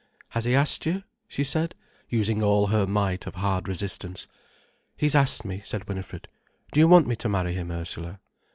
"Has he asked you?" she said, using all her might of hard resistance. "He's asked me," said Winifred. "Do you want me to marry him, Ursula?"